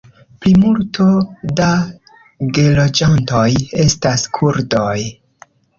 Plimulto da geloĝantoj estas kurdoj.